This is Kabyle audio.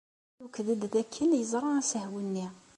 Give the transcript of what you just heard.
Iwekked-d dakken yeẓra asehwu-nni.